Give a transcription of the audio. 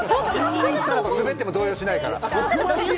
スベっても動揺しないから。